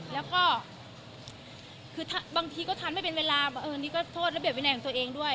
แล้วก็คือบางทีก็ทันไม่เป็นเวลานี่ก็โทษระเบียบวินัยของตัวเองด้วย